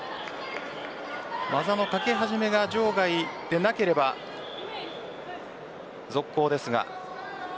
技のかけ始めが場外でなければ続行です。